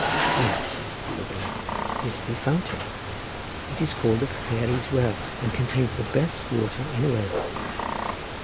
"There," said the lad, "is the fountain. It is called the Fairies' well, and contains the best water in Wales."